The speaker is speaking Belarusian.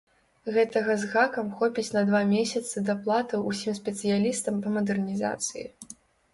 Гэтага з гакам хопіць на два месяцы даплатаў усім спецыялістам па мадэрнізацыі.